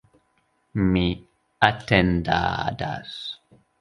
Mi atendadas.